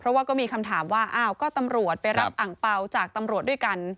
เพราะว่าก็มีคำถามว่าอ้าวก็ตำรวจไปรับอังเปล่าจากตำรวจด้วยกัน